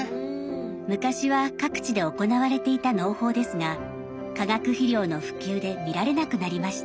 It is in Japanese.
昔は各地で行われていた農法ですが化学肥料の普及で見られなくなりました。